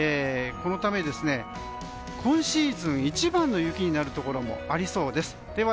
このために今シーズン一番の雪になるところもありそうです。